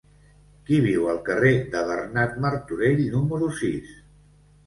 Qui viu al carrer de Bernat Martorell número sis?